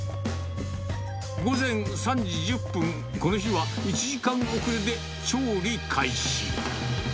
午前３時１０分、この日は１時間遅れで調理開始。